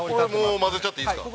◆もう混ぜちゃっていいですか。